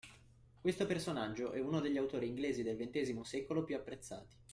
Questo personaggio è uno degli autori inglesi del XX secolo più apprezzati